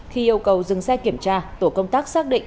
khi yêu cầu dừng xe kiểm tra tổ công tác xác định